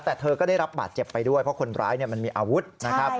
แต่เธอก็ได้รับบาดเจ็บไปด้วยเพราะคนร้ายมันมีอาวุธนะครับ